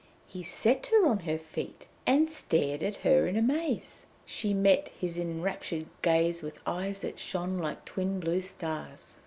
He set her on her feet and stared at her in amaze; she met his enraptured gaze with eyes that shone like twin blue stars.